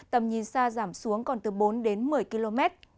tầm nhìn xa giảm xuống còn từ bốn đến một mươi km